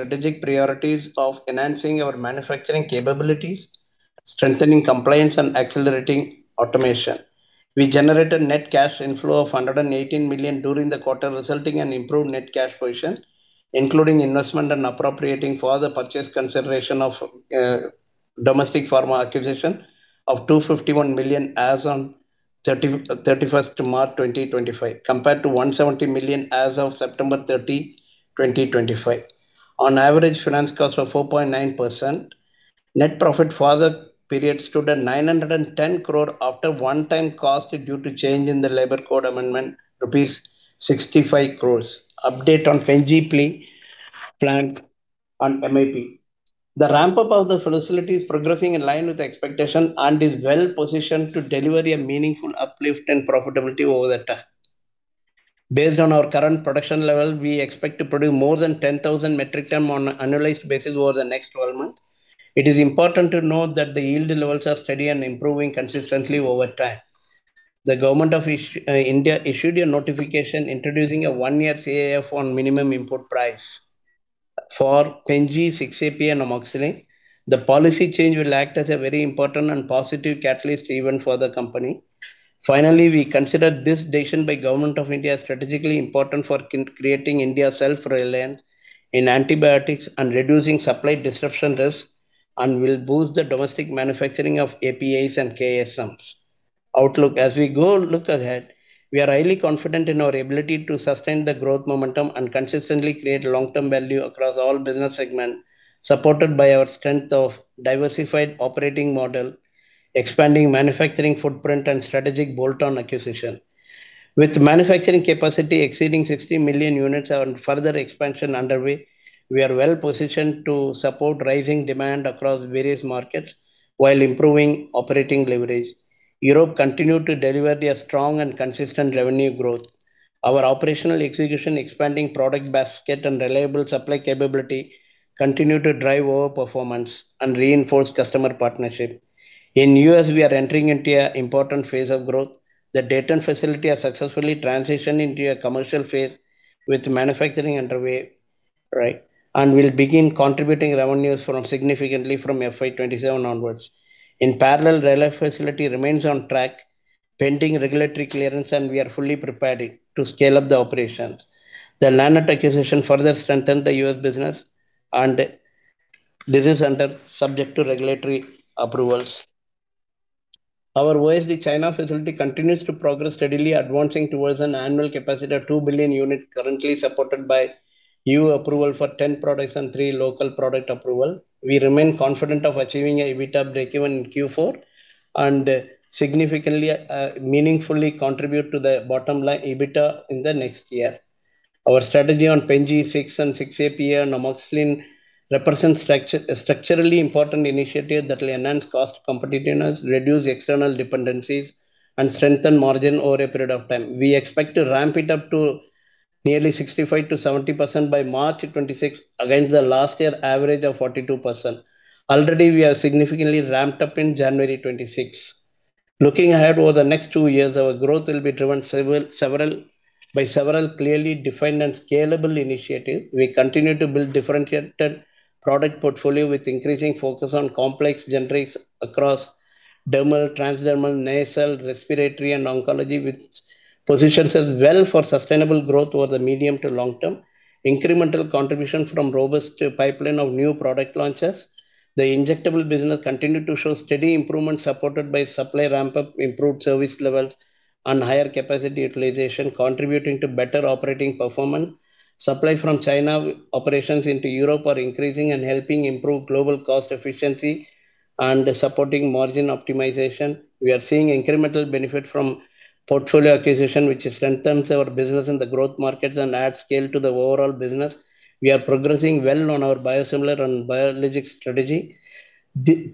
Strategic priorities of enhancing our manufacturing capabilities, strengthening compliance, and accelerating automation. We generated net cash inflow of 118 million during the quarter, resulting in improved net cash position, including investment and appropriating for the purchase consideration of domestic pharma acquisition of 251 million as on 31 March 2025, compared to 170 million as of 30 September 2025. On average, finance costs were 4.9%. Net profit for the period stood at 910 crore after one-time cost due to change in the labor code amendment, rupees 65 crore. Update on Pen G plant on MIP. The ramp-up of the facility is progressing in line with the expectation and is well positioned to deliver a meaningful uplift in profitability over the time. Based on our current production level, we expect to produce more than 10,000 metric tons on an annualized basis over the next 12 months. It is important to note that the yield levels are steady and improving consistently over time. The government of India issued a notification introducing a one year CAF on minimum import price for Pen G, 6-APA and amoxicillin. The policy change will act as a very important and positive catalyst event for the company. Finally, we consider this decision by government of India strategically important for creating India's self-reliance in antibiotics and reducing supply disruption risk, and will boost the domestic manufacturing of APIs and KSMs. Outlook. As we go look ahead, we are highly confident in our ability to sustain the growth momentum and consistently create long-term value across all business segments, supported by our strength of diversified operating model, expanding manufacturing footprint, and strategic bolt-on acquisition. With manufacturing capacity exceeding 60 million units and further expansion underway, we are well positioned to support rising demand across various markets while improving operating leverage. Europe continued to deliver a strong and consistent revenue growth. Our operational execution, expanding product basket, and reliable supply capability continue to drive our performance and reinforce customer partnership. In the U.S., we are entering into a important phase of growth. The Dayton facility has successfully transitioned into a commercial phase with manufacturing underway, right, and will begin contributing revenues significantly from FY 2027 onwards. In parallel, Raleigh facility remains on track, pending regulatory clearance, and we are fully prepared it to scale up the operations. The Lannett acquisition further strengthened the U.S. business, and this is subject to regulatory approvals. Our OSD China facility continues to progress steadily, advancing towards an annual capacity of two billion units, currently supported by new approval for 10 products and 3 local product approval. We remain confident of achieving an EBITDA breakeven in Q4, and significantly, meaningfully contribute to the bottom line EBITDA in the next year. Our strategy on PenG, 6-APA, and amoxicillin represents a structurally important initiative that will enhance cost competitiveness, reduce external dependencies, and strengthen margin over a period of time. We expect to ramp it up to nearly 65%-70% by March 2026, against the last year average of 42%. Already, we have significantly ramped up in January 2026. Looking ahead, over the next two years, our growth will be driven by several clearly defined and scalable initiatives. We continue to build differentiated product portfolio with increasing focus on complex generics across dermal, transdermal, nasal, respiratory, and oncology, which positions us well for sustainable growth over the medium to long term. Incremental contribution from robust pipeline of new product launches. The injectable business continued to show steady improvement, supported by supply ramp-up, improved service levels, and higher capacity utilization, contributing to better operating performance. Supply from China operations into Europe are increasing and helping improve global cost efficiency and supporting margin optimization. We are seeing incremental benefit from portfolio acquisition, which strengthens our business in the growth markets and adds scale to the overall business. We are progressing well on our biosimilar and biologics strategy.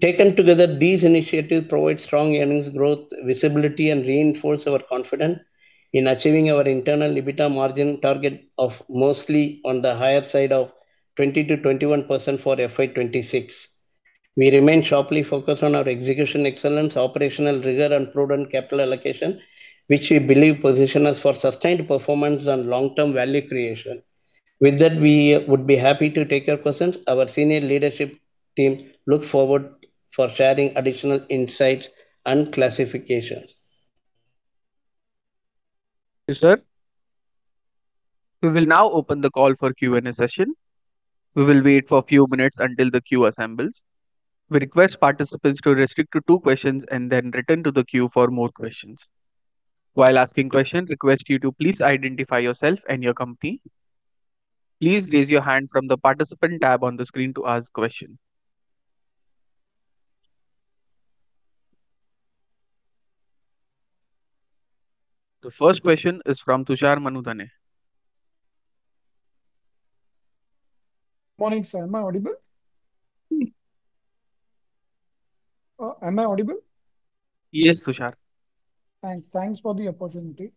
Taken together, these initiatives provide strong earnings growth, visibility, and reinforce our confidence in achieving our internal EBITDA margin target of mostly on the higher side of 20%-21% for FY 2026. We remain sharply focused on our execution excellence, operational rigor, and prudent capital allocation, which we believe position us for sustained performance and long-term value creation. With that, we would be happy to take your questions. Our senior leadership team look forward for sharing additional insights and classifications. Sir, we will now open the call for Q&A session. We will wait for a few minutes until the queue assembles. We request participants to restrict to two questions and then return to the queue for more questions. While asking questions, request you to please identify yourself and your company. Please raise your hand from the Participant tab on the screen to ask question. The first question is from Tushar Manudhane. Morning, sir. Am I audible? Am I audible? Yes, Tushar. Thanks. Thanks for the opportunity.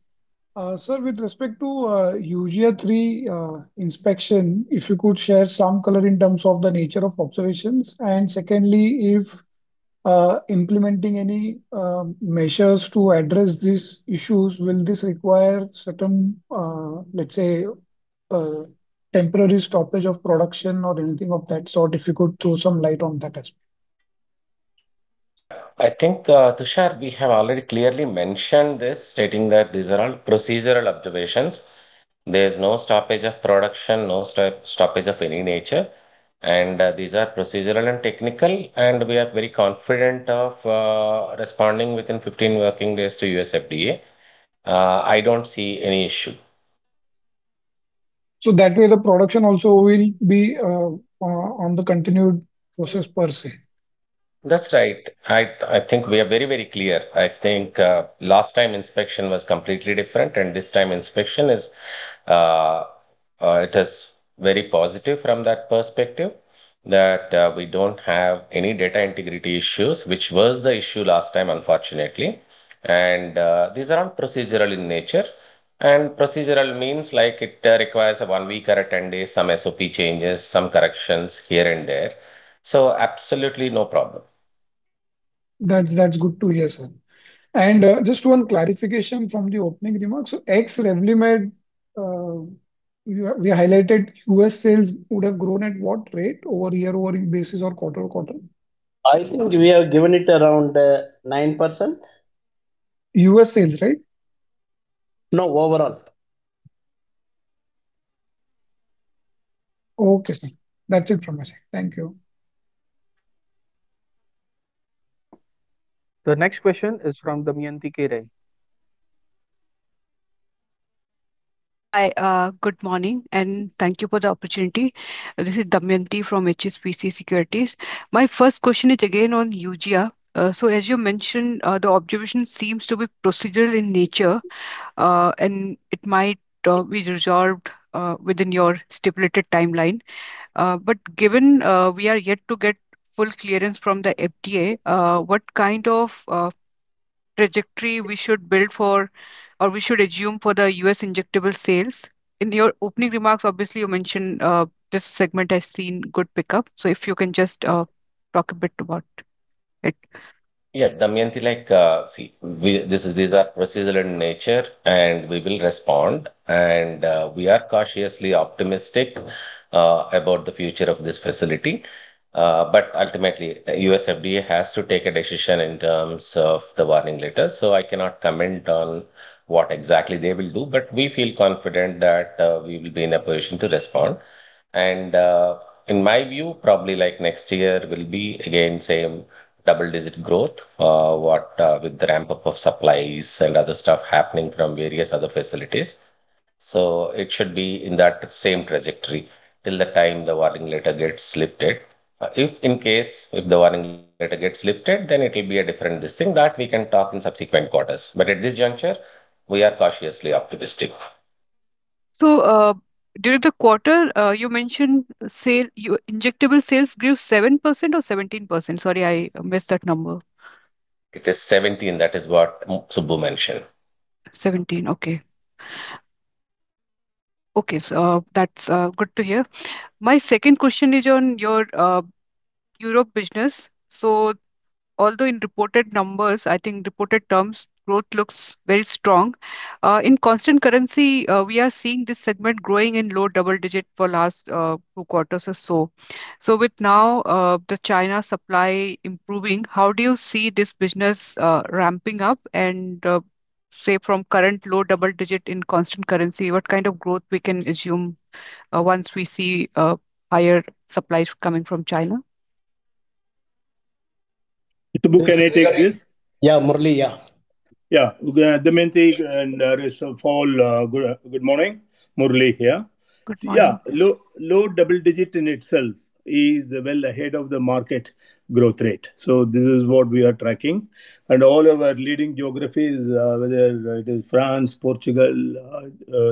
Sir, with respect to Eugia III inspection, if you could share some color in terms of the nature of observations? And secondly, if implementing any measures to address these issues, will this require certain, let's say, temporary stoppage of production or anything of that sort? If you could throw some light on that as well. I think, Tushar, we have already clearly mentioned this, stating that these are all procedural observations. There's no stoppage of production, no stoppage of any nature, and these are procedural and technical, and we are very confident of responding within 15 working days to U.S. FDA. I don't see any issue. So that way, the production also will be on the continued process per se? That's right. I, I think we are very, very clear. I think, last time inspection was completely different, and this time inspection is, it is very positive from that perspective, that we don't have any data integrity issues, which was the issue last time, unfortunately. And, these are all procedural in nature, and procedural means, like, it requires a one week or a 10 days, some SOP changes, some corrections here and there. So absolutely no problem. That's good to hear, sir. Just one clarification from the opening remarks. So ex-Revlimid, you, we highlighted U.S. sales would have grown at what rate, over year-over-year basis or quarter-over-quarter? I think we have given it around 9%. U.S. sales, right? No, overall. Okay, sir. That's it from my side. Thank you. The next question is from Damayanti Kerai. Hi, good morning, and thank you for the opportunity. This is Damayanti from HSBC Securities. My first question is again on Eugia. So as you mentioned, the observation seems to be procedural in nature, and it might be resolved within your stipulated timeline. But given we are yet to get full clearance from the FDA, what kind of trajectory we should build for or we should assume for the U.S. injectable sales? In your opening remarks, obviously, you mentioned this segment has seen good pickup, so if you can just talk a bit about it. Yeah, Damayanti, like, see, this is, these are procedural in nature, and we will respond, and we are cautiously optimistic about the future of this facility. But ultimately, U.S. FDA has to take a decision in terms of the Warning Letter, so I cannot comment on what exactly they will do. But we feel confident that we will be in a position to respond. And in my view, probably like next year will be, again, same double-digit growth, what with the ramp-up of supplies and other stuff happening from various other facilities. So it should be in that same trajectory till the time the Warning Letter gets lifted. If in case the Warning Letter gets lifted, then it'll be a different distinct. That, we can talk in subsequent quarters, but at this juncture, we are cautiously optimistic. So, during the quarter, you mentioned sales, your injectable sales grew 7% or 17%? Sorry, I missed that number. It is 17. That is what Subbu mentioned. 17, okay. Okay, so that's good to hear. My second question is on your Europe business. So although in reported numbers, I think reported terms, growth looks very strong, in constant currency, we are seeing this segment growing in low double-digit for last two quarters or so. So with now the China supply improving, how do you see this business ramping up? And say, from current low double-digit in constant currency, what kind of growth we can assume once we see higher supplies coming from China? Subbu, can I take this? Yeah, Murali. Yeah. Yeah. Damayanti and rest all, good morning. Murali here. Good morning. Yeah, low, low double digit in itself is well ahead of the market growth rate, so this is what we are tracking. And all of our leading geographies, whether it is France, Portugal,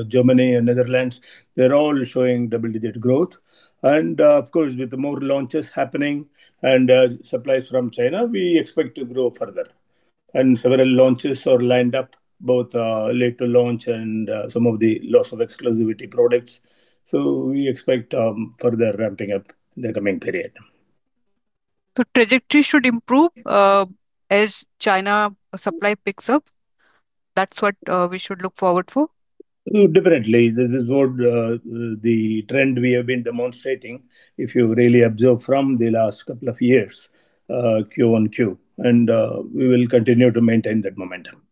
Germany and Netherlands, they're all showing double-digit growth. And, of course, with the more launches happening and, supplies from China, we expect to grow further. And several launches are lined up, both, late to launch and, some of the loss of exclusivity products, so we expect, further ramping up in the coming period. So trajectory should improve, as China supply picks up? That's what we should look forward for? Definitely. This is what the trend we have been demonstrating, if you really observe from the last couple of years, Q on Q, and we will continue to maintain that momentum.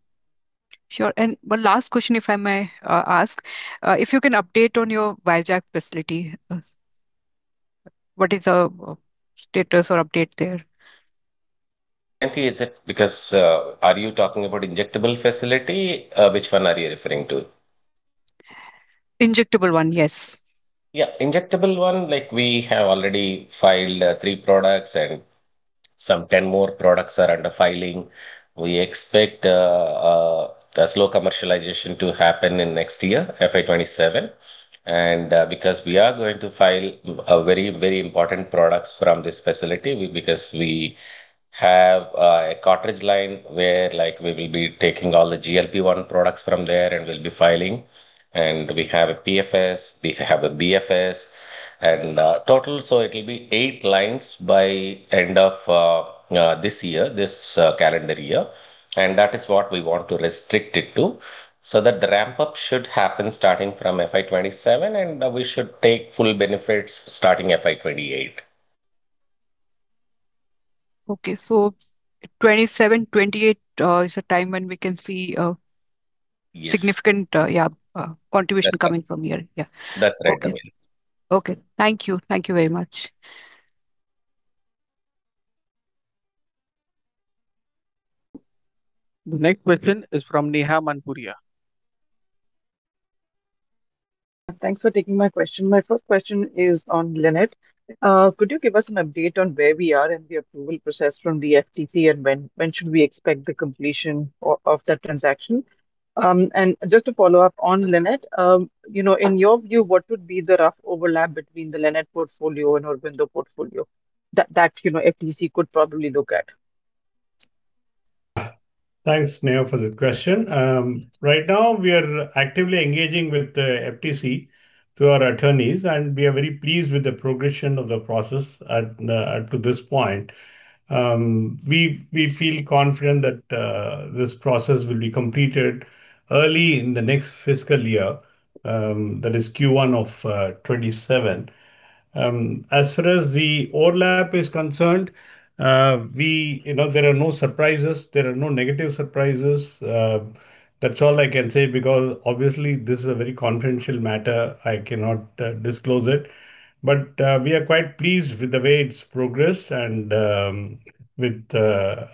Sure. And one last question, if I may, ask. If you can update on your Vizag facility, what is the status or update there? Damayanti, is it, because, are you talking about injectable facility? Which one are you referring to? Injectable one, yes. Yeah, injectable one, like, we have already filed 3 products, and some 10 more products are under filing. We expect the slow commercialization to happen in next year, FY 2027. And because we are going to file very, very important products from this facility, because we have a cartridge line where, like, we will be taking all the GLP-1 products from there, and we'll be filing. And we have a PFS, we have a BFS, and total, so it'll be 8 lines by end of this year, this calendar year. And that is what we want to restrict it to, so that the ramp-up should happen starting from FY 2027, and we should take full benefits starting FY 2028. Okay, so 27, 28, is the time when we can see Yes. significant, yeah, contribution coming from here. Yeah. That's right, Kamini. Okay. Okay, thank you. Thank you very much. The next question is from Neha Manpuria. Thanks for taking my question. My first question is on Lannett. Could you give us an update on where we are in the approval process from the FTC, and when should we expect the completion of that transaction? And just to follow up on Lannett, you know, in your view, what would be the rough overlap between the Lannett portfolio and OrbiMed portfolio that you know, FTC could probably look at? Thanks, Neha, for the question. Right now, we are actively engaging with the FTC through our attorneys, and we are very pleased with the progression of the process at up to this point. We feel confident that this process will be completed early in the next fiscal year, that is Q1 of 2027. As far as the overlap is concerned, we you know, there are no surprises, there are no negative surprises. That's all I can say, because obviously this is a very confidential matter. I cannot disclose it. But we are quite pleased with the way it's progressed and with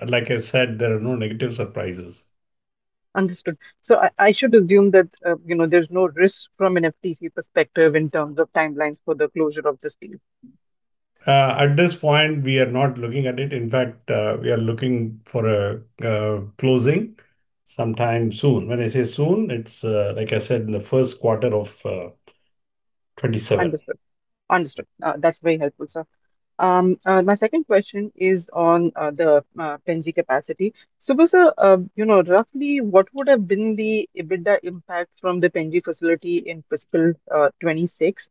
Like I said, there are no negative surprises. Understood. So I should assume that, you know, there's no risk from an FTC perspective in terms of timelines for the closure of this deal? At this point, we are not looking at it. In fact, we are looking for a closing sometime soon. When I say soon, it's like I said, in the first quarter of 2027. Understood. Understood. That's very helpful, sir. My second question is on the Pen G capacity. So, sir, you know, roughly, what would have been the EBITDA impact from the Pen G facility in fiscal 2026?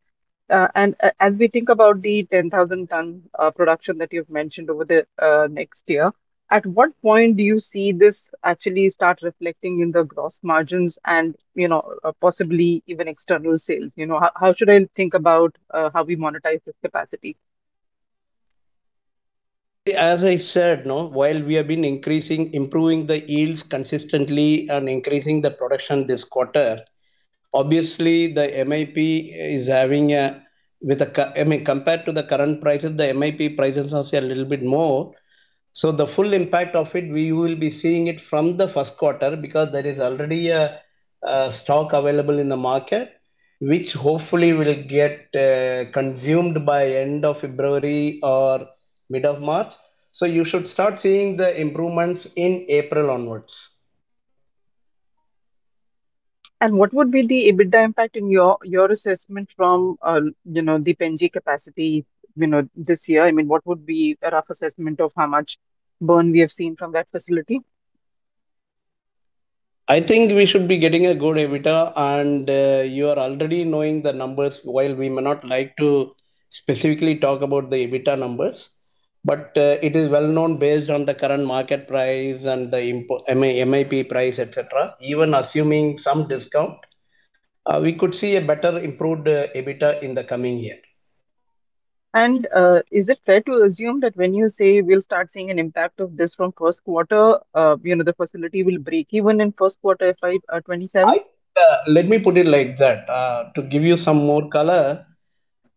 And as we think about the 10,000-ton production that you've mentioned over the next year, at what point do you see this actually start reflecting in the gross margins and, you know, possibly even external sales? You know, how should I think about how we monetize this capacity? As I said, you know, while we have been increasing, improving the yields consistently and increasing the production this quarter, obviously the MIP is having a, I mean, compared to the current prices, the MIP prices are still a little bit more. So the full impact of it, we will be seeing it from the first quarter, because there is already a stock available in the market, which hopefully will get consumed by end of February or mid of March. So you should start seeing the improvements in April onwards. What would be the EBITDA impact in your assessment from, you know, the Pen G capacity, you know, this year? I mean, what would be a rough assessment of how much boom we have seen from that facility? I think we should be getting a good EBITDA, and, you are already knowing the numbers. While we may not like to specifically talk about the EBITDA numbers, but, it is well known based on the current market price and the import MIP price, et cetera. Even assuming some discount, we could see a better improved, EBITDA in the coming year. Is it fair to assume that when you say we'll start seeing an impact of this from first quarter, you know, the facility will break even in first quarter FY 2027? I, let me put it like that. To give you some more color,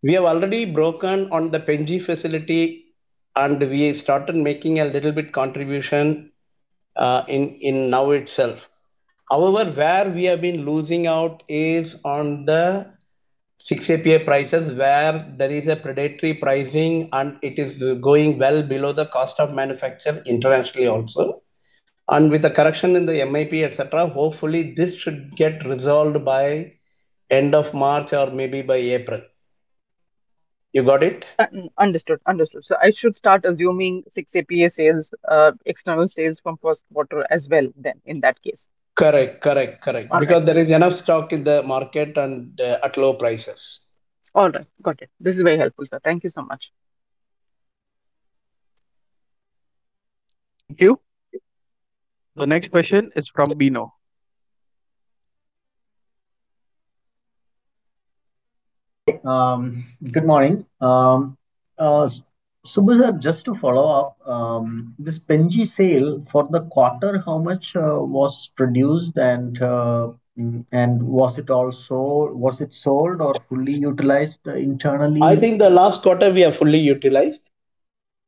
we have already broken on the Pen G facility, and we started making a little bit contribution, in now itself. However, where we have been losing out is on the 6-APA prices, where there is a predatory pricing, and it is going well below the cost of manufacture internationally also. And with the correction in the MIP, et cetera, hopefully this should get resolved by end of March or maybe by April. You got it? Understood, understood. So I should start assuming 6-APA sales, external sales from first quarter as well then, in that case? Correct, correct, correct. All right. Because there is enough stock in the market and, at low prices. All right. Got it. This is very helpful, sir. Thank you so much. Thank you. The next question is from Bino. Good morning. Subra, just to follow up, this Pen G sale, for the quarter, how much was produced and was it also sold or fully utilized internally? I think the last quarter we have fully utilized.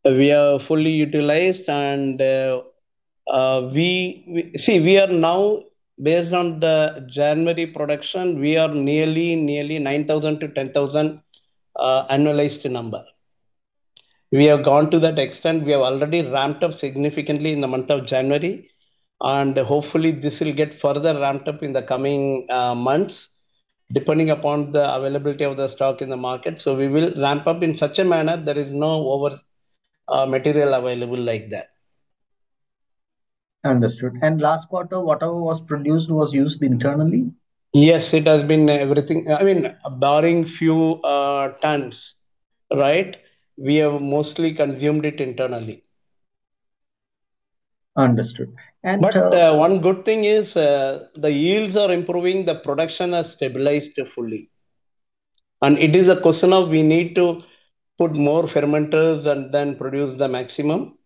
We have fully utilized and see, we are now, based on the January production, we are nearly 9,000-10,000 annualized number. We have gone to that extent. We have already ramped up significantly in the month of January, and hopefully this will get further ramped up in the coming months. depending upon the availability of the stock in the market, so we will ramp up in such a manner there is no over material available like that. Understood. Last quarter, whatever was produced was used internally? Yes, it has been everything. I mean, barring few tons, right? We have mostly consumed it internally. Understood. And, But, one good thing is, the yields are improving, the production has stabilized fully. And it is a question of we need to put more fermenters and then produce the maximum.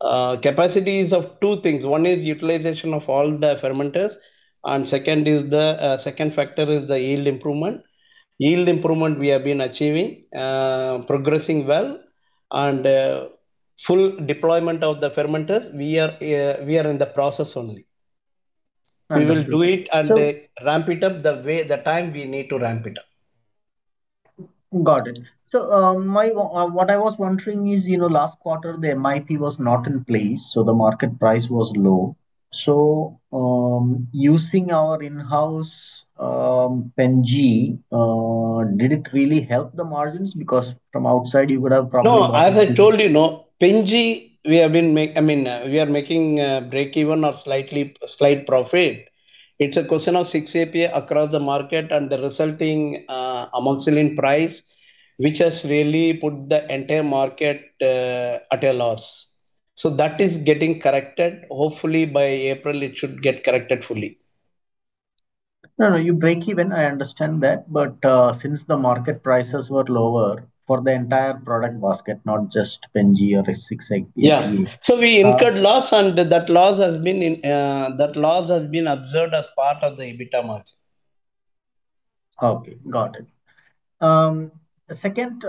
Capacities of two things, one is utilization of all the fermenters, and second is the second factor is the yield improvement. Yield improvement, we have been achieving, progressing well, and, full deployment of the fermenters, we are in the process only. Understood. So We will do it and ramp it up the time we need to ramp it up. Got it. So, what I was wondering is, you know, last quarter, the MIP was not in place, so the market price was low. So, using our in-house Pen G, did it really help the margins? Because from outside you would have probably- No, as I told you, no, Pen G, we have been—I mean, we are making break even or slightly slight profit. It's a question of 6-APA across the market and the resulting Amoxicillin price, which has really put the entire market at a loss. So that is getting corrected. Hopefully, by April it should get corrected fully. No, no, you break even, I understand that, but since the market prices were lower for the entire product basket, not just Pen G or 6-APA Yeah. So we incurred loss, and that loss has been observed as part of the EBITDA margin. Okay, got it. Second,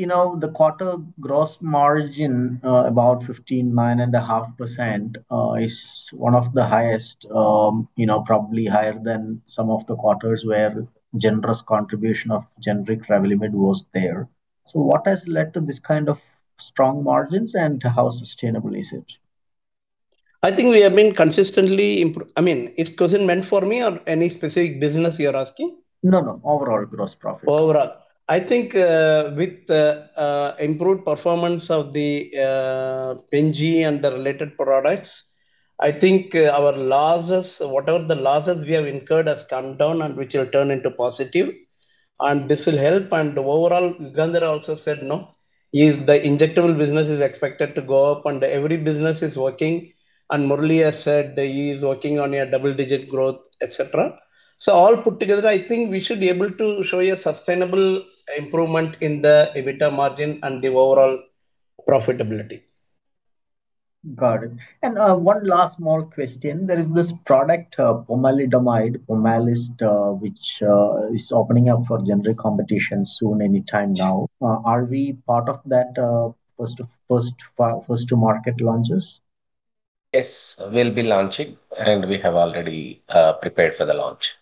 you know, the quarter gross margin, about 15.95%, is one of the highest, you know, probably higher than some of the quarters where generics contribution of generic Revlimid was there. So what has led to this kind of strong margins, and how sustainable is it? I think we have been consistently improve I mean, is question meant for me or any specific business you're asking? No, no, overall gross profit. Overall. I think, with the improved performance of the Pen G and the related products, I think, our losses, whatever the losses we have incurred, has come down and which will turn into positive, and this will help. And overall, Yugandhar also said, no, is the injectable business is expected to go up and every business is working, and Murali has said that he is working on a double-digit growth, et cetera. So all put together, I think we should be able to show a sustainable improvement in the EBITDA margin and the overall profitability. Got it. And, one last small question: There is this product, pomalidomide, Pomalyst, which is opening up for generic competition soon, anytime now. Are we part of that, first to market launches? Yes, we'll be launching, and we have already prepared for the launch.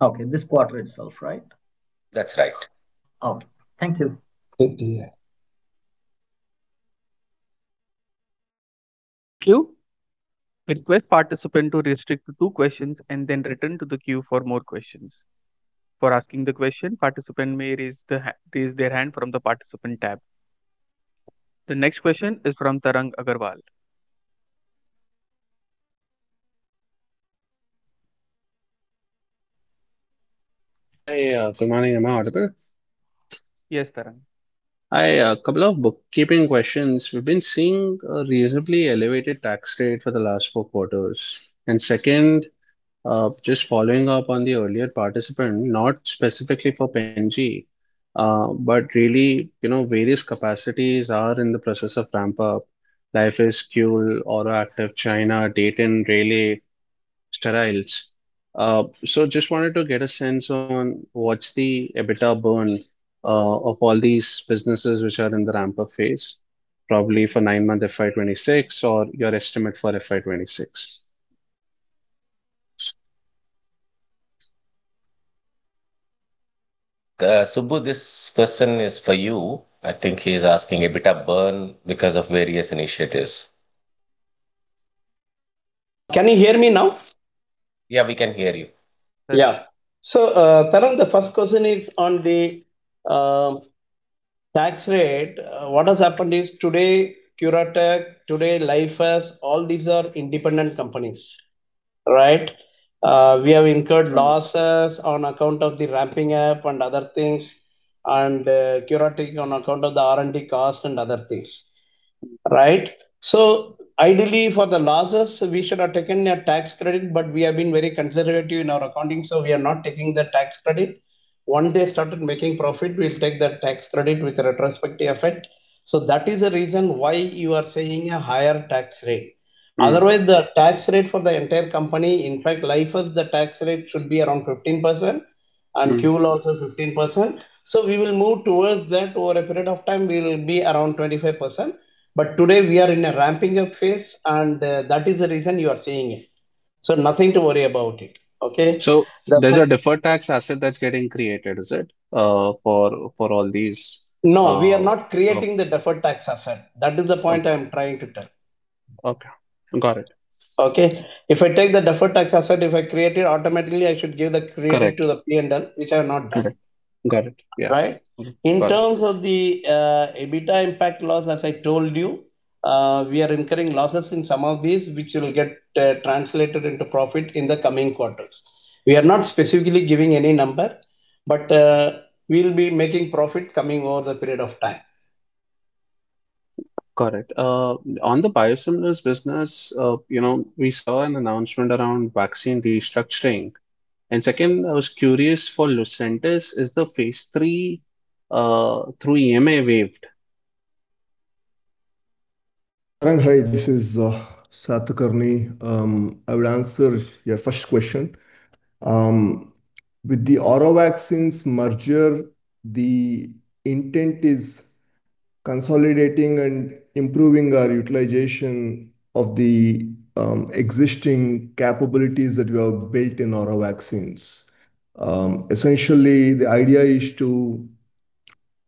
Okay. This quarter itself, right? That's right. Okay. Thank you. Thank you, yeah. Queue. Request participant to restrict to two questions and then return to the queue for more questions. For asking the question, participant may raise their hand from the Participant tab. The next question is from Tarang Agrawal. Hey, good morning, everyone. Yes, Tarang. I, couple of bookkeeping questions. We've been seeing a reasonably elevated tax rate for the last four quarters. Second, just following up on the earlier participant, not specifically for Pen G, but really, you know, various capacities are in the process of ramp up, Lyfius, Quretech, AuroActive, China, Dayton, Raleigh, Steriles. So just wanted to get a sense on what's the EBITDA burn, of all these businesses which are in the ramp-up phase, probably for nine-month FY 2026 or your estimate for FY 2026. Subbu, this question is for you. I think he is asking EBITDA burn because of various initiatives. Can you hear me now? Yeah, we can hear you. Yeah. So, Tarang, the first question is on the tax rate. What has happened is today, CuraTeQ, today, Lifes, all these are independent companies, right? We have incurred losses on account of the ramping up and other things, and, CuraTeQ on account of the R&D costs and other things, right? So ideally, for the losses, we should have taken a tax credit, but we have been very conservative in our accounting, so we are not taking the tax credit. Once they started making profit, we'll take that tax credit with a retrospective effect. So that is the reason why you are seeing a higher tax rate. Otherwise, the tax rate for the entire company, in fact, like, the tax rate should be around 15% and Quretech also 15%. So we will move towards that. Over a period of time, we will be around 25%. But today, we are in a ramping up phase, and that is the reason you are seeing it. So nothing to worry about it, okay? So there's a deferred tax asset that's getting created, is it, for, for all these- No, we are not creating the deferred tax asset. That is the point I am trying to tell. Okay, got it. Okay, if I take the deferred tax asset, if I create it, automatically I should give the credit Correct. to the PNL, which I have not done. Correct. Correct, yeah. Right? Got it. In terms of the EBITDA impact loss, as I told you, we are incurring losses in some of these, which will get translated into profit in the coming quarters. We are not specifically giving any number, but we'll be making profit coming over the period of time. Correct. On the biosimilars business, you know, we saw an announcement around vaccine restructuring. And second, I was curious for Lucentis, is the phase three through EMA waived? Hi, this is Satakarni. I will answer your first question. With the Auro Vaccines merger, the intent is consolidating and improving our utilization of the existing capabilities that we have built in Auro Vaccines. Essentially, the idea is to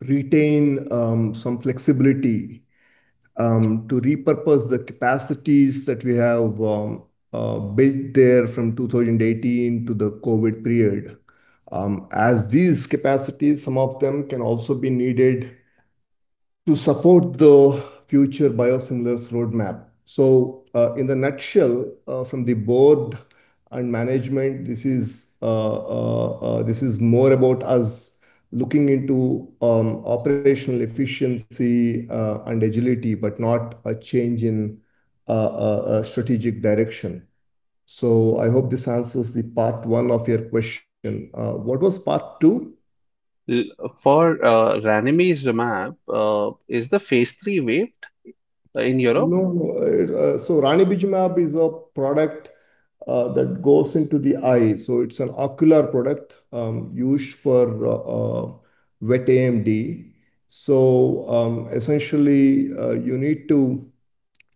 retain some flexibility to repurpose the capacities that we have built there from 2018 to the COVID period. As these capacities, some of them can also be needed to support the future biosimilars roadmap. So, in a nutshell, from the board and management, this is more about us looking into operational efficiency and agility, but not a change in a strategic direction. So I hope this answers the part one of your question. What was part two? For ranibizumab, is the phase III waived in Europe? No, no. So ranibizumab is a product that goes into the eye, so it's an ocular product used for wet AMD. So, essentially, you need to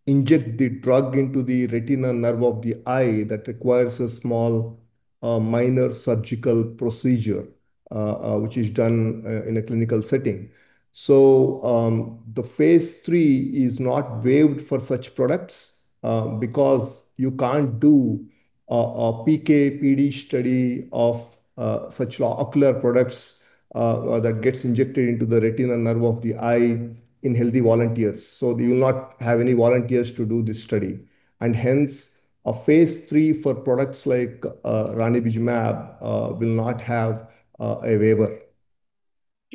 inject the drug into the retinal nerve of the eye. That requires a small, minor surgical procedure which is done in a clinical setting. So, the phase three is not waived for such products because you can't do a PK/PD study of such ocular products that gets injected into the retinal nerve of the eye in healthy volunteers, so you will not have any volunteers to do this study. And hence, a phase three for products like ranibizumab will not have a waiver.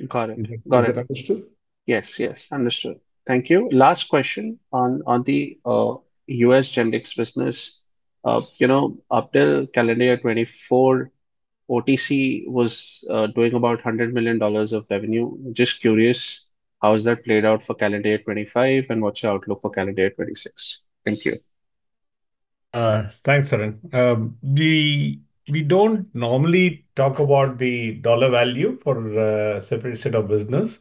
Got it. Got it. Is that understood? Yes, yes, understood. Thank you. Last question on the U.S. generics business. You know, up till calendar year 2024, OTC was doing about $100 million of revenue. Just curious, how has that played out for calendar year 2025, and what's your outlook for calendar year 2026? Thank you. Thanks, Arun. We don't normally talk about the dollar value for a separate set of business,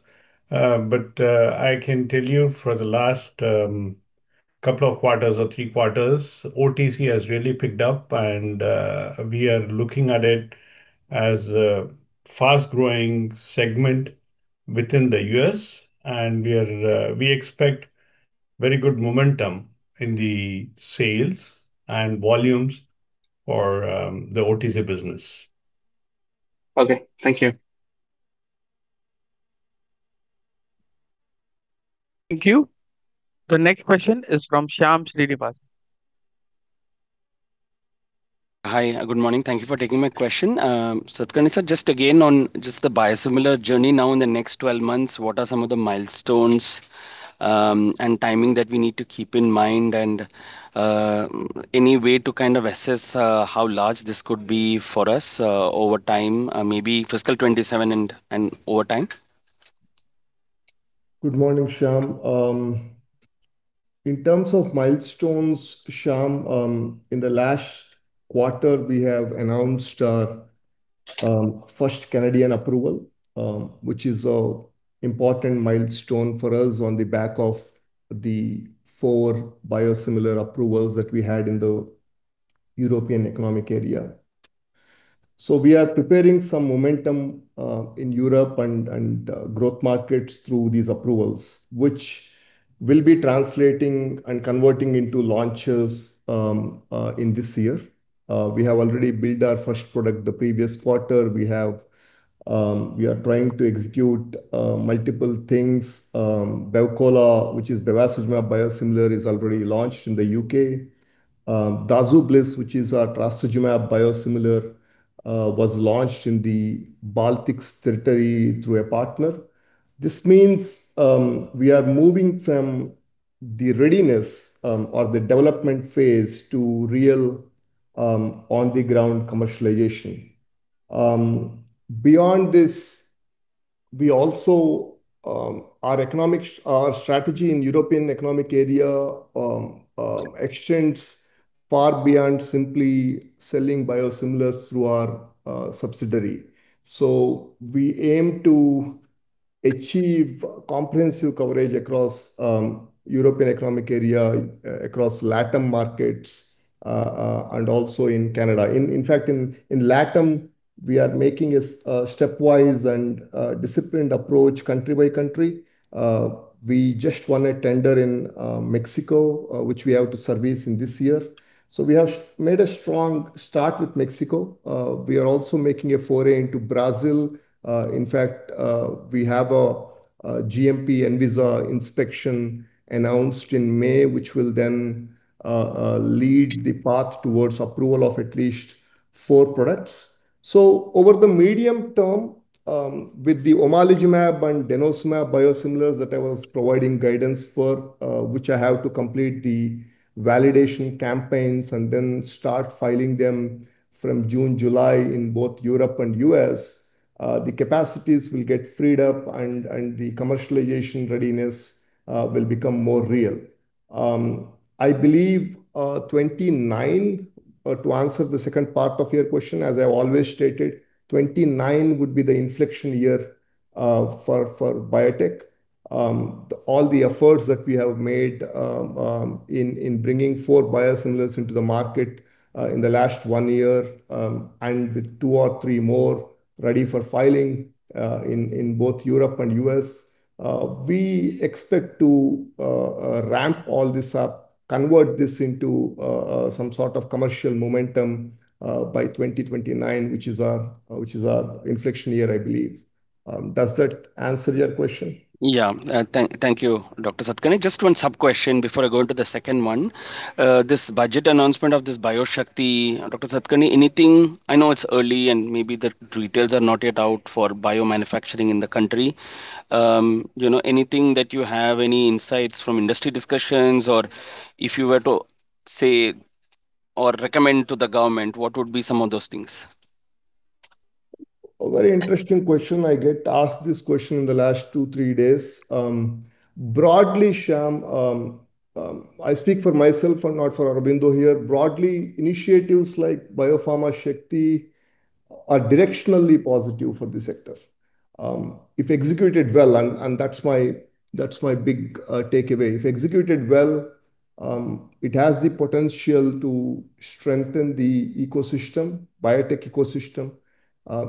but I can tell you for the last couple of quarters or three quarters, OTC has really picked up and we are looking at it as a fast-growing segment within the U.S. We expect very good momentum in the sales and volumes for the OTC business. Okay, thank you. Thank you. The next question is from Shyam Srinivas. Hi, good morning. Thank you for taking my question. Satakarni, sir, just again on just the biosimilar journey now in the next 12 months, what are some of the milestones, and timing that we need to keep in mind, and, any way to kind of assess, how large this could be for us, over time, maybe fiscal 2027 and, and over time? Good morning, Shyam. In terms of milestones, Shyam, in the last quarter, we have announced our first Canadian approval, which is an important milestone for us on the back of the four biosimilar approvals that we had in the European Economic Area. So we are preparing some momentum in Europe and growth markets through these approvals, which will be translating and converting into launches in this year. We have already built our first product the previous quarter. We have we are trying to execute multiple things. Beacola, which is bevacizumab biosimilar, is already launched in the UK. Dazublis, which is our trastuzumab biosimilar, was launched in the Baltics territory through a partner. This means we are moving from the readiness or the development phase to real on-the-ground commercialization. Beyond this, we also our economic, our strategy in European Economic Area extends far beyond simply selling biosimilars through our subsidiary. So we aim to achieve comprehensive coverage across European Economic Area across LATAM markets and also in Canada. In fact, in LATAM we are making a stepwise and disciplined approach country by country. We just won a tender in Mexico which we have to service in this year. So we have made a strong start with Mexico. We are also making a foray into Brazil. In fact, we have a GMP ANVISA inspection announced in May, which will then lead the path towards approval of at least four products. So over the medium term, with the Omalizumab and Denosumab biosimilars that I was providing guidance for, which I have to complete the validation campaigns and then start filing them from June, July in both Europe and U.S., the capacities will get freed up and, and the commercialization readiness, will become more real. I believe, to answer the second part of your question, as I've always stated, 2029 would be the inflection year, for, for biotech. All the efforts that we have made in bringing four biosimilars into the market in the last one year and with two or three more ready for filing in both Europe and U.S. we expect to ramp all this up, convert this into some sort of commercial momentum by 2029, which is our inflection year, I believe. Does that answer your question? Yeah. Thank you, Dr. Satakarni. Just one sub-question before I go into the second one. This budget announcement of this Bio Shakti, Dr. Satakarni, anything I know it's early, and maybe the details are not yet out for biomanufacturing in the country. You know, anything that you have, any insights from industry discussions? Or if you were to say or recommend to the government, what would be some of those things? A very interesting question. I get asked this question in the last two-three days. Broadly, Shyam, I speak for myself and not for Aurobindo here. Broadly, initiatives like Biopharma Shakti are directionally positive for the sector. If executed well, and that's my big takeaway, if executed well, it has the potential to strengthen the ecosystem, biotech ecosystem.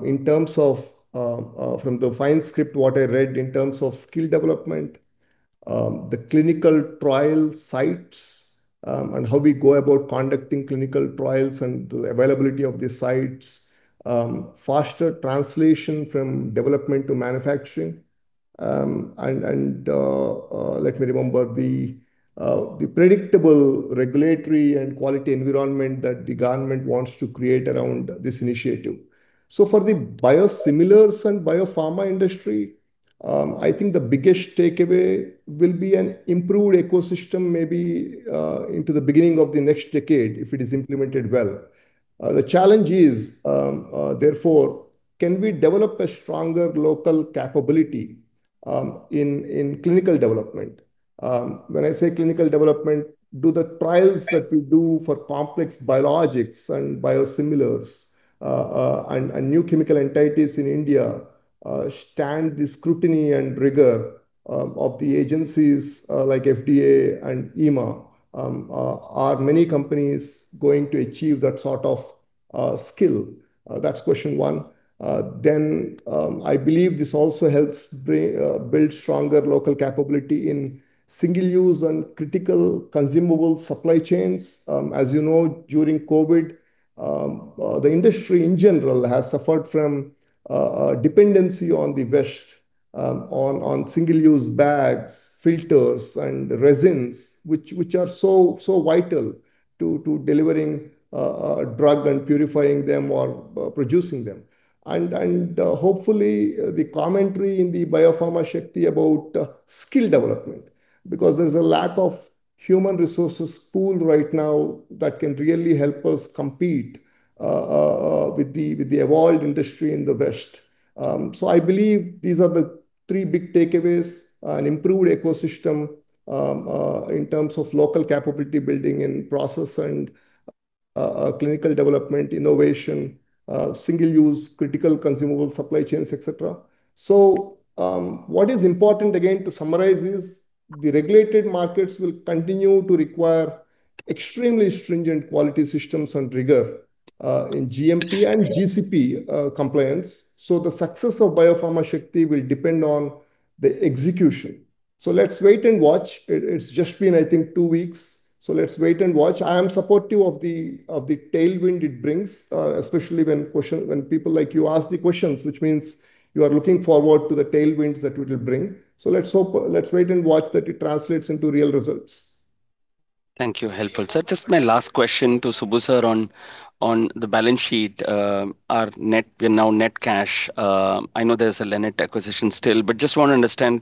In terms of, from the fine print what I read in terms of skill development, the clinical trial sites, and how we go about conducting clinical trials and the availability of the sites, faster translation from development to manufacturing. And let me remember, the predictable regulatory and quality environment that the government wants to create around this initiative. So for the biosimilars and biopharma industry, I think the biggest takeaway will be an improved ecosystem, maybe, into the beginning of the next decade, if it is implemented well. The challenge is, therefore, can we develop a stronger local capability, in clinical development? When I say clinical development, do the trials that we do for complex biologics and biosimilars, and new chemical entities in India, stand the scrutiny and rigor, of the agencies, like FDA and EMA? Are many companies going to achieve that sort of, skill? That's question one. Then, I believe this also helps build stronger local capability in single-use and critical consumable supply chains. As you know, during COVID, the industry in general has suffered from dependency on the West, on single-use bags, filters, and resins, which are so vital to delivering drug and purifying them or producing them. And hopefully, the commentary in the Biopharma Shakti about skill development, because there's a lack of human resources pool right now that can really help us compete with the evolved industry in the West. So I believe these are the three big takeaways: an improved ecosystem in terms of local capability building and process and clinical development, innovation, single-use critical consumable supply chains, et cetera. So, what is important, again, to summarize, is the regulated markets will continue to require extremely stringent quality systems and rigor in GMP and GCP compliance. So the success of Biopharma Shakti will depend on the execution. So let's wait and watch. It's just been, I think, two weeks, so let's wait and watch. I am supportive of the tailwind it brings, especially when people like you ask the questions, which means you are looking forward to the tailwinds that it will bring. So let's hope. Let's wait and watch that it translates into real results. Thank you. Helpful, sir. Just my last question to Subbu, sir, on the balance sheet, our net, we're now net cash. I know there's a Lannett acquisition still, but just want to understand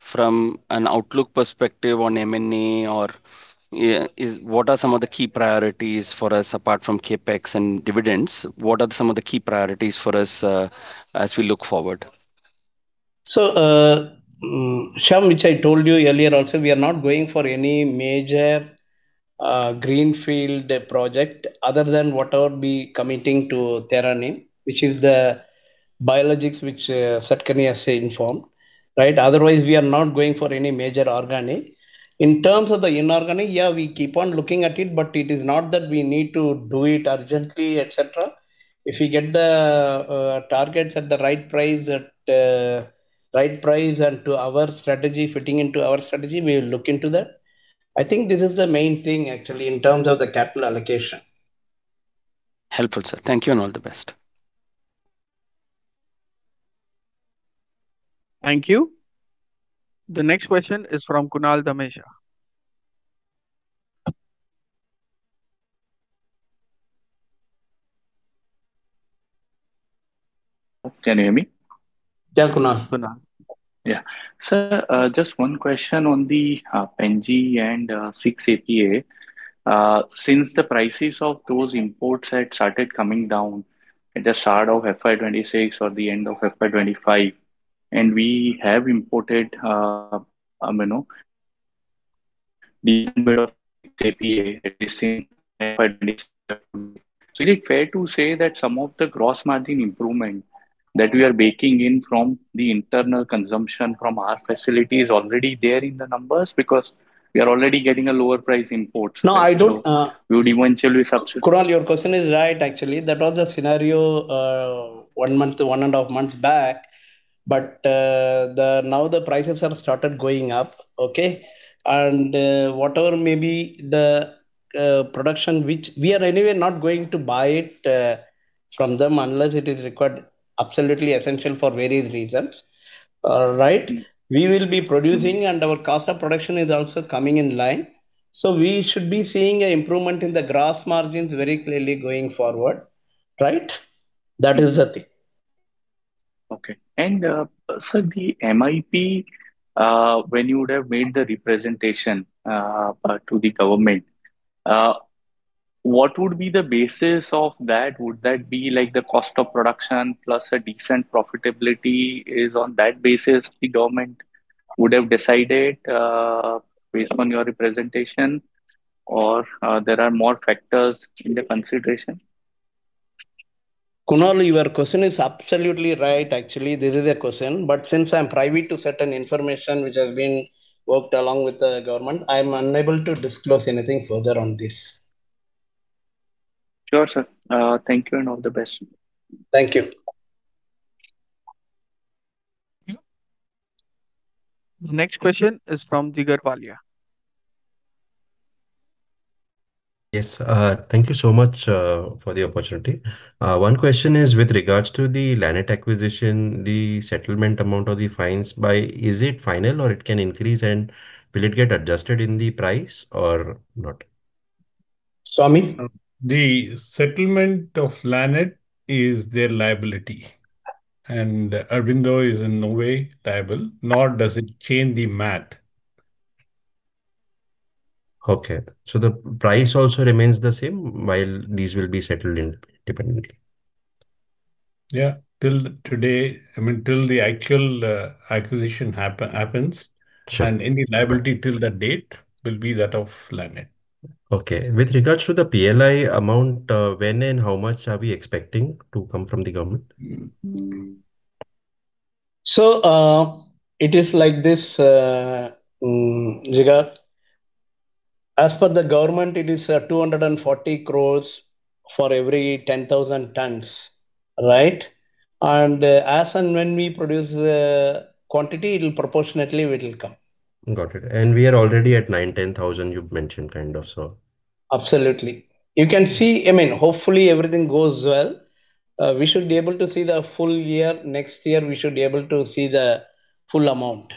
from an outlook perspective on M&A or, yeah, what are some of the key priorities for us apart from CapEx and dividends? What are some of the key priorities for us, as we look forward? So, Shyam, which I told you earlier also, we are not going for any major greenfield project other than whatever be committing to TheraNym, which is the biologics, which Satakarni has informed, right? Otherwise, we are not going for any major organic. In terms of the inorganic, yeah, we keep on looking at it, but it is not that we need to do it urgently, et cetera. If we get the targets at the right price, at right price, and to our strategy, fitting into our strategy, we will look into that. I think this is the main thing, actually, in terms of the capital allocation. Helpful, sir. Thank you, and all the best. Thank you. The next question is from Kunal Dhamesha. Can you hear me? Yeah, Kunal. Yeah. Sir, just one question on the, Pen G and, 6-APA. Since the prices of those imports had started coming down at the start of FY 2026 or the end of FY 2025, and we have imported, you know, the APA at the same time. So is it fair to say that some of the gross margin improvement that we are baking in from the internal consumption from our facility is already there in the numbers because we are already getting a lower price import? No, I don't. We would eventually substitute Kunal, your question is right, actually. That was the scenario, one month to one and a half months back. But, now the prices have started going up, okay? And, whatever may be the production, which we are anyway not going to buy it from them unless it is required, absolutely essential for various reasons. Right, we will be producing, and our cost of production is also coming in line, so we should be seeing an improvement in the gross margins very clearly going forward, right? That is the thing. Okay. And, sir, the MIP, when you would have made the representation to the government, what would be the basis of that? Would that be, like, the cost of production plus a decent profitability, is on that basis the government would have decided, based on your representation, or, there are more factors in the consideration? Kunal, your question is absolutely right. Actually, this is a question, but since I'm privy to certain information which has been worked along with the government, I'm unable to disclose anything further on this. Sure, sir. Thank you, and all the best. Thank you. Next question is from Sagar Walia. Yes. Thank you so much for the opportunity. One question is with regards to the Lannett acquisition, the settlement amount of the fines by Is it final, or it can increase, and will it get adjusted in the price or not? Swami? The settlement of Lannett is their liability, and Aurobindo is in no way liable, nor does it change the math. Okay. So the price also remains the same while these will be settled independently? Yeah. Till today, I mean, till the actual acquisition happens. Sure. and any liability till the date will be that of Lannett. Okay. With regards to the PLI amount, when and how much are we expecting to come from the government? So, it is like this, Jigar. As per the government, it is 240 crore for every 10,000 tons, right? As and when we produce quantity, it'll proportionately, it will come. Got it, and we are already at 9, 10,000, you've mentioned, kind of, so. Absolutely. You can see. I mean, hopefully, everything goes well. We should be able to see the full year. Next year, we should be able to see the full amount.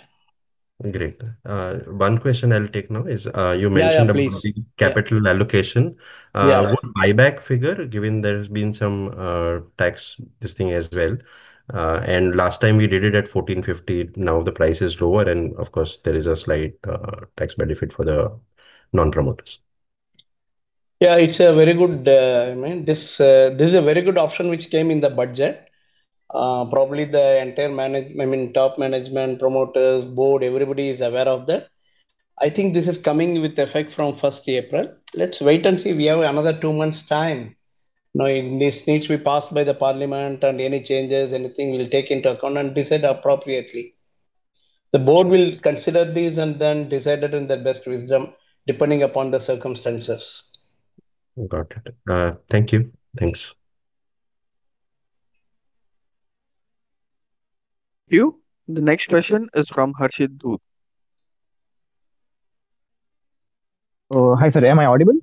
Great. One question I'll take now is, you mentioned- Yeah, yeah, please. about the capital allocation. Yeah. What buyback figure, given there's been some tax this thing as well? Last time we did it at 1,450. Now, the price is lower, and of course, there is a slight tax benefit for the non-promoters. Yeah, it's a very good, I mean, this is a very good option which came in the budget. Probably the entire, I mean, top management, promoters, board, everybody is aware of that. I think this is coming with effect from first of April. Let's wait and see. We have another two months' time. Now, this needs to be passed by the parliament, and any changes, anything we'll take into account and decide appropriately. The board will consider these and then decide it in their best wisdom, depending upon the circumstances. Got it. Thank you. Thanks. Thank you. The next question is from Harshit Dhoot. Oh, hi, sir. Am I audible?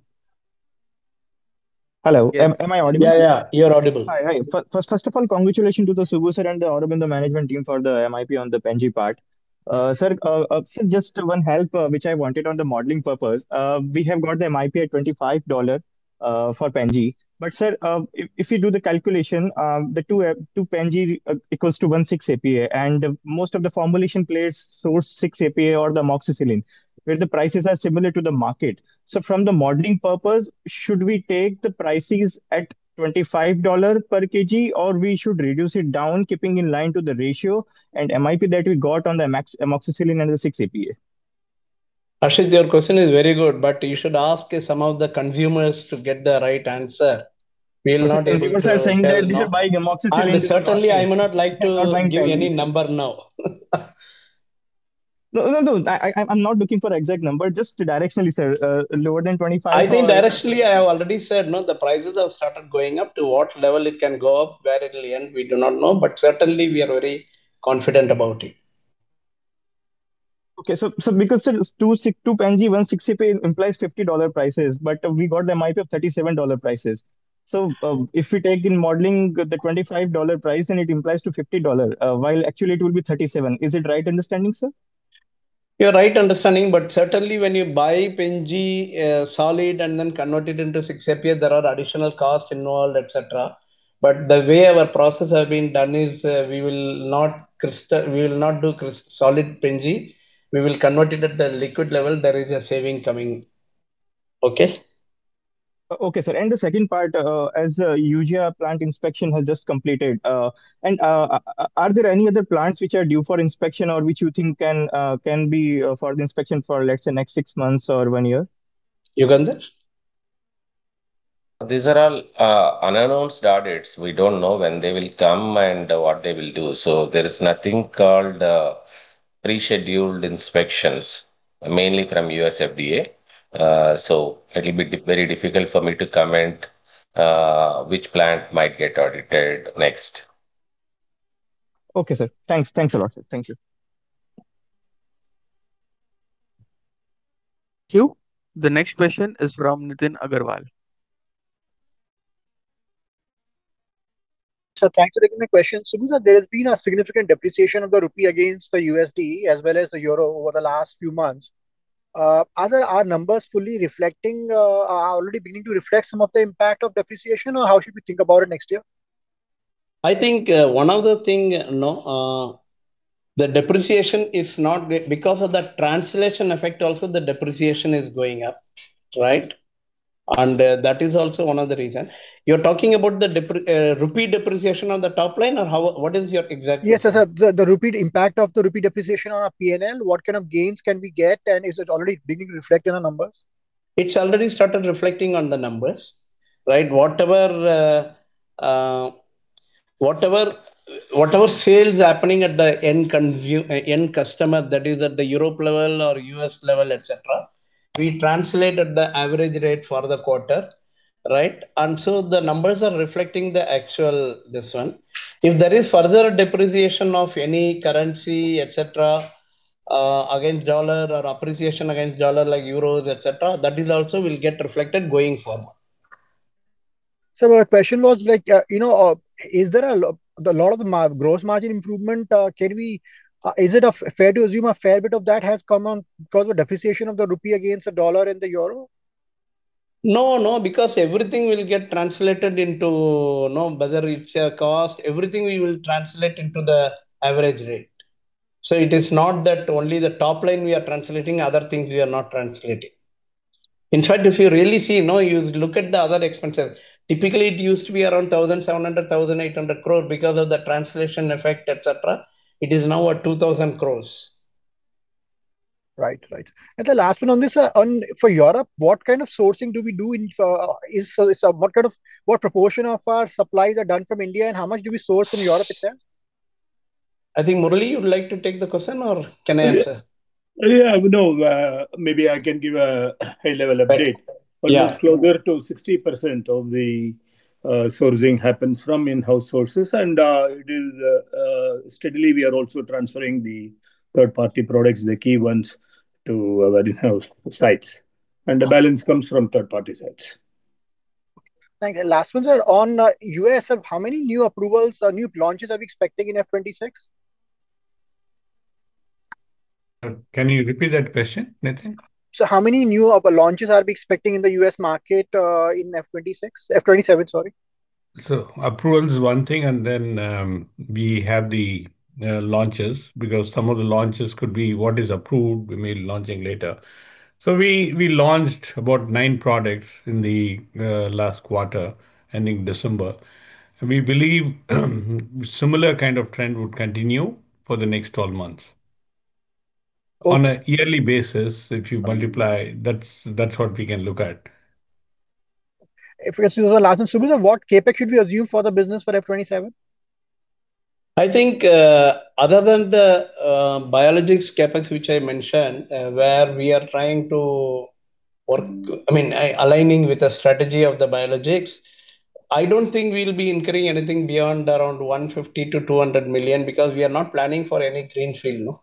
Hello, am I audible? Yeah, yeah. You are audible. Hi, hi. First of all, congratulations to the Subbu, sir, and the Aurobindo management team for the MIP on the Pen G part. Sir, just one help, which I wanted on the modeling purpose. We have got the MIP at $25 for Pen G. But, sir, if you do the calculation, two Pen G equals to one 6-APA, and most of the formulation plays source 6-APA or the amoxicillin, where the prices are similar to the market. So from the modeling purpose, should we take the prices at $25 per kg, or we should reduce it down, keeping in line to the ratio and MIP that we got on the amoxicillin and the 6-APA? Ashish, your question is very good, but you should ask some of the consumers to get the right answer. We'll not- Consumers are saying that these are bioequivalent. Certainly I would not like to I'm buying give you any number now. No, no, no, I'm not looking for exact number, just directionally, sir, lower than 25 or- I think directionally, I have already said, no, the prices have started going up. To what level it can go up, where it will end, we do not know, but certainly we are very confident about it. Okay. So because, sir, two Pen G, one 6-APA implies $50 prices, but we got the MIP of $37 prices. So, if we take in modeling the $25 price, then it implies to $50, while actually it will be $37. Is it right understanding, sir? You're right understanding, but certainly when you buy Pen G solid, and then convert it into 6-APA, there are additional costs involved, et cetera. But the way our process has been done is, we will not do crystallized solid Pen G. We will convert it at the liquid level, there is a saving coming. Okay? Okay, sir. And the second part, as Eugia plant inspection has just completed, and are there any other plants which are due for inspection or which you think can be for the inspection for, let's say, next six months or one year? Ugander? These are all unannounced audits. We don't know when they will come and what they will do, so there is nothing called pre-scheduled inspections, mainly from USFDA. So it'll be very difficult for me to comment which plant might get audited next. Okay, sir. Thanks. Thanks a lot, sir. Thank you. Thank you. The next question is from Nitin Agarwal. Sir, thanks for taking my question. So there has been a significant depreciation of the rupee against the USD, as well as the euro over the last few months. Are the, our numbers fully reflecting, are already beginning to reflect some of the impact of depreciation, or how should we think about it next year? I think, one of the thing, you know, the depreciation is not because of the translation effect, also the depreciation is going up, right? That is also one of the reason. You're talking about the rupee depreciation on the top line, or how, what is your exact question? Yes, sir, the Indian rupee, impact of the Indian rupee depreciation on our P&L, what kind of gains can we get, and is it already beginning to reflect in the numbers? It's already started reflecting on the numbers, right? Whatever, whatever sales happening at the end customer, that is, at the Europe level or U.S. level, et cetera, we translate at the average rate for the quarter, right? And so the numbers are reflecting the actual, this one. If there is further depreciation of any currency, et cetera, against dollar, or appreciation against dollar, like euros, et cetera, that is also will get reflected going forward. Sir, my question was like, you know, is there a lot of gross margin improvement? Can we is it fair to assume a fair bit of that has come on because of depreciation of the rupee against the dollar and the euro? No, no, because everything will get translated into, you know, whether it's a cost, everything we will translate into the average rate. So it is not that only the top line we are translating, other things we are not translating. In fact, if you really see, you know, you look at the other expenses, typically it used to be around 1,700 crore, 1,800 crore because of the translation effect, et cetera. It is now at 2,000 crores. Right. Right. And the last one on this, for Europe, what kind of sourcing do we do in, so what kind of, what proportion of our supplies are done from India, and how much do we source from Europe itself? I think, Murali, you'd like to take the question, or can I answer? Yeah, no, maybe I can give a high-level update. Yeah. But it's closer to 60% of the sourcing happens from in-house sources. And it is steadily we are also transferring the third-party products, the key ones, to our in-house sites, and the balance comes from third-party sites. Thank you. The last one, sir, on U.S., how many new approvals or new launches are we expecting in F26? Can you repeat that question, Nitin? Sir, how many new launches are we expecting in the U.S. market, in F26? F27, sorry. So approval is one thing, and then, we have the launches, because some of the launches could be what is approved, we may be launching later. So we launched about nine products in the last quarter, ending December. We believe similar kind of trend would continue for the next twelve months. Oh On a yearly basis, if you multiply, that's, that's what we can look at. If I see the last one, Subba, what CapEx should we assume for the business for FY 2027? I think, other than the biologics CapEx, which I mentioned, where we are trying to work I mean, aligning with the strategy of the biologics, I don't think we'll be incurring anything beyond around $150 million to $200 million, because we are not planning for any greenfield,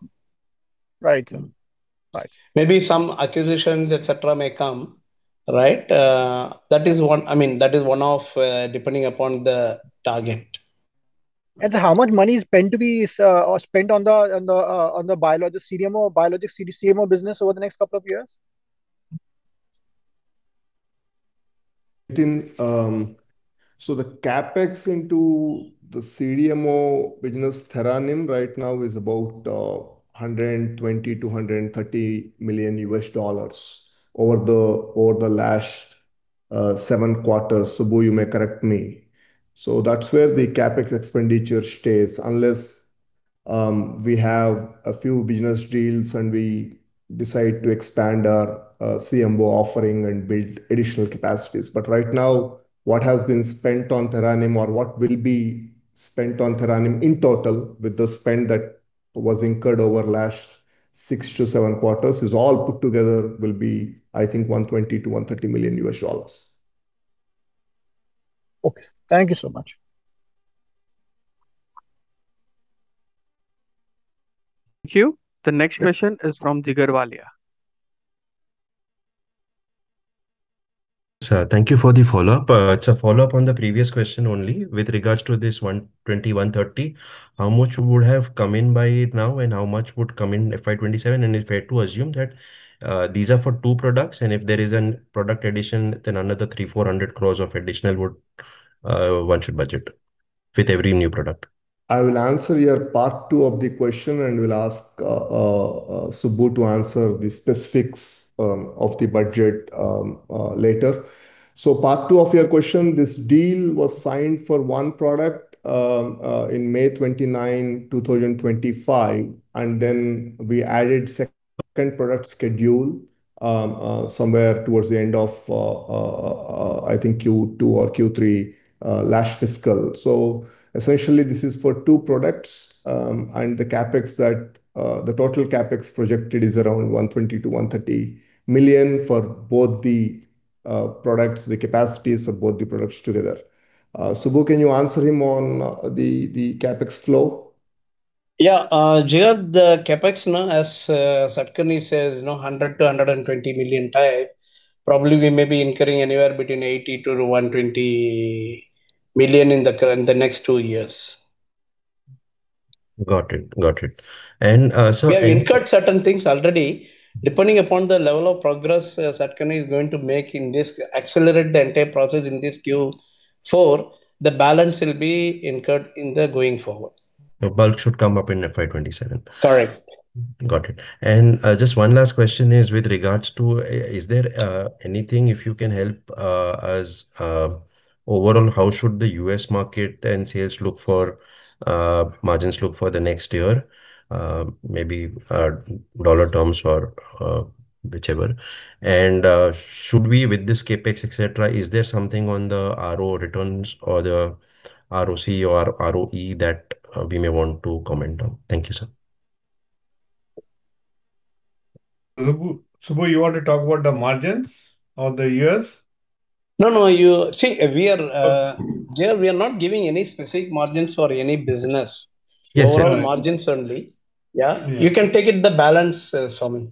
no? Right. Right. Maybe some acquisitions, et cetera, may come, right? That is one I mean, that is one of, depending upon the target. How much money is meant to be spent on the biologics CDMO or biologics CDMO business over the next couple of years? I think, so the CapEx into the CDMO business, TheraNym, right now is about $120 million to $130 million over the last- seven quarters. Subbu, you may correct me. So that's where the CapEx expenditure stays, unless we have a few business deals and we decide to expand our CMO offering and build additional capacities. But right now, what has been spent on TheraNym or what will be spent on TheraNym in total, with the spend that was incurred over last six to seven quarters, is all put together will be, I think, $120 million to $130 million. Okay. Thank you so much. Thank you. The next question is from Jigar Walia. Sir, thank you for the follow-up. It's a follow-up on the previous question only with regards to this 120, 130. How much would have come in by now, and how much would come in FY 2027? And if I had to assume that these are for two products, and if there is a product addition, then another 300-400 crore of additional would one should budget with every new product. I will answer your part two of the question, and will ask Subbu to answer the specifics of the budget later. So part two of your question, this deal was signed for one product in 29 May 2025, and then we added second product schedule somewhere towards the end of, I think Q2 or Q3 last fiscal. So essentially, this is for two products, and the total CapEx projected is around $120 million to $130 million for both the products, the capacities for both the products together. Subbu, can you answer him on the CapEx flow? Yeah, Jigar, the CapEx now, as Satish says, you know, 100-120 million type. Probably, we may be incurring anywhere between 80-120 million in the next two years. Got it. Got it. And so We have incurred certain things already. Depending upon the level of progress, Satish is going to make in this, accelerate the entire process in this Q4, the balance will be incurred in the going forward. The bulk should come up in FY 2027? Correct. Got it. And just one last question is with regards to is there anything, if you can help us, overall, how should the U.S. market and sales look for margins look for the next year? Maybe dollar terms or whichever. And should we, with this CapEx, et cetera, is there something on the RO returns or the ROC or ROE that we may want to comment on? Thank you, sir. Subbu, you want to talk about the margins of the years? No, no, you. See, we are, Jigar, we are not giving any specific margins for any business. Yes, sir. Overall margins only. Yeah. Yeah. You can take it the balance, Swami.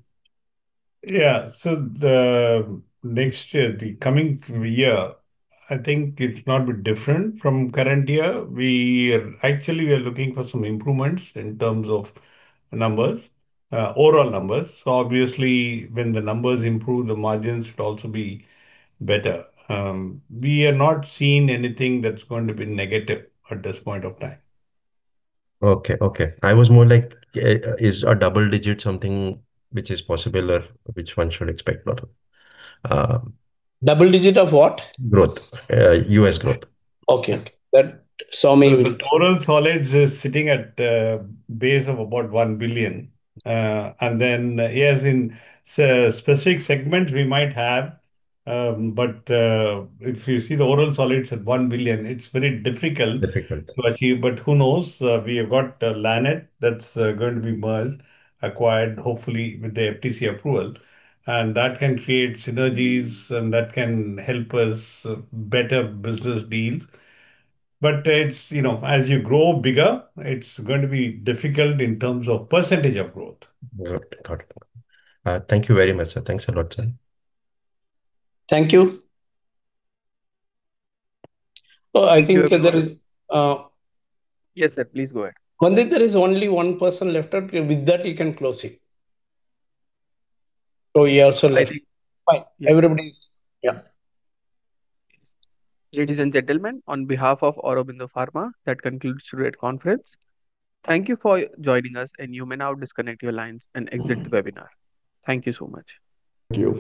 Yeah. The next year, the coming year, I think it's not a bit different from current year. We are actually looking for some improvements in terms of numbers, overall numbers. So obviously, when the numbers improve, the margins should also be better. We have not seen anything that's going to be negative at this point of time. Okay. Okay. I was more like, is a double-digit something which is possible or which one should expect, but Double digit of what? Growth, US growth. Okay. That, Swami will- Total solids is sitting at a base of about $1 billion. And then, yes, in specific segment, we might have, but, if you see the overall solids at $1 billion, it's very difficult- Difficult to achieve, but who knows? We have got the Lannett that's going to be merged, acquired, hopefully, with the FTC approval, and that can create synergies, and that can help us better business deals. But it's, you know, as you grow bigger, it's going to be difficult in terms of percentage of growth. Got it. Got it. Thank you very much, sir. Thanks a lot, sir. Thank you. Oh, I think there is, Yes, sir, please go ahead. Mandeep, there is only one person left out. With that, you can close it. So he also left. Fine. Everybody is Yeah. Ladies and gentlemen, on behalf of Aurobindo Pharma, that concludes today's conference. Thank you for joining us, and you may now disconnect your lines and exit the webinar. Thank you so much. Thank you.